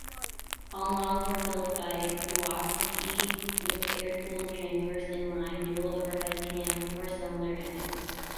All models were built by Kawasaki with air-cooled, transverse inline, dual-overhead-cam, four-cylinder engines.